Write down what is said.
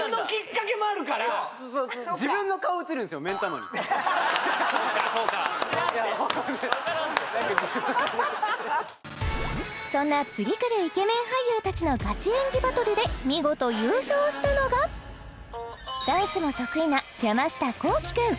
・そうかそうかそんな次くるイケメン俳優たちのガチ演技バトルで見事優勝したのがダンスの得意な山下幸輝君